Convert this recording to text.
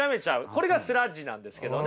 これがスラッジなんですけどね。